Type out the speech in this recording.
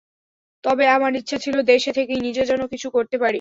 তবে আমার ইচ্ছা ছিল দেশে থেকেই নিজে যেন কিছু করতে পারি।